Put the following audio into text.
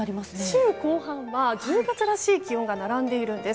週後半は１０月らしい気温が続いているんです。